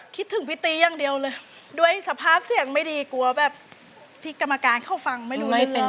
คิดถึงพี่ตีอย่างเดียวเลยด้วยสภาพเสียงไม่ดีกลัวแบบที่กรรมการเข้าฟังไม่รู้เรื่องเลย